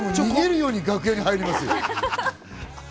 逃げるように楽屋に入ります